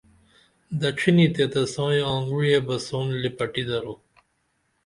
دڇھینی تے تسائیں آنگعویہ بہ سون لپٹی درو